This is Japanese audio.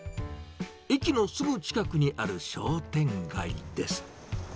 駅のすぐ近くにある商店街です。